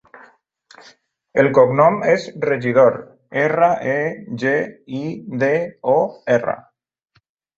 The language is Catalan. El cognom és Regidor: erra, e, ge, i, de, o, erra.